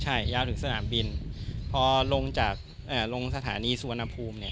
ใช่ยาวถึงสนามบินพอลงจากลงสถานีสุวรรณภูมิเนี่ย